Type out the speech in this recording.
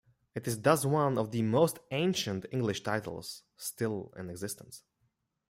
It is thus one of the most ancient English titles still in existence.